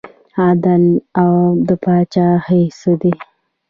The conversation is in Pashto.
عدل د پاچاهۍ څه دی؟